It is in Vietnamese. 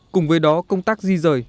cùng với đó công tác di rời